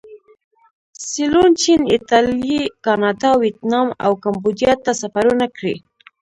سیلون، چین، ایټالیې، کاناډا، ویتنام او کمبودیا ته سفرونه کړي.